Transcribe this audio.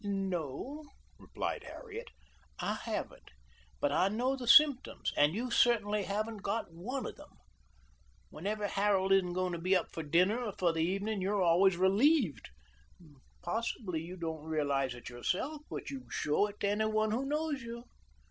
"No," replied Harriet, "I haven't, but I know the symptoms and you certainly haven't got one of them. Whenever Harold isn't going to be up for dinner or for the evening you're always relieved. Possibly you don't realize it yourself, but you show it to any one who knows you."